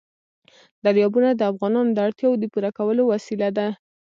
دریابونه د افغانانو د اړتیاوو د پوره کولو وسیله ده.